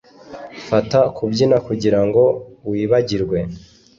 Fata kubyina kugirango wibagirwe.